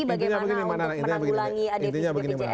bagaimana untuk menanggulangi defisit bps dan juga pelayanan kesehatan